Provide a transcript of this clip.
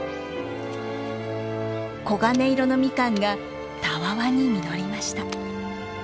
黄金色のミカンがたわわに実りました。